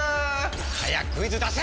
早くクイズ出せ‼